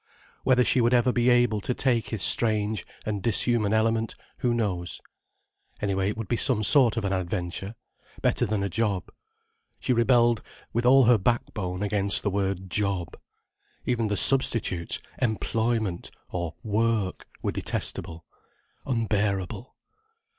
Whether she would ever be able to take to his strange and dishuman element, who knows? Anyway it would be some sort of an adventure: better than a job. She rebelled with all her backbone against the word job. Even the substitutes, employment or work, were detestable, unbearable.